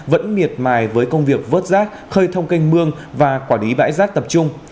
vẫn miệt mài với công việc vớt rác khơi thông kênh mương và quả lý bãi rác tập trung